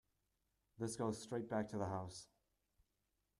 This goes straight back to the house!